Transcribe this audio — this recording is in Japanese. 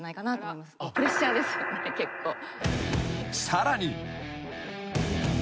［さらに］